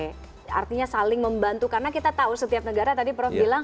artinya saling membantu karena kita tahu setiap negara tadi prof bilang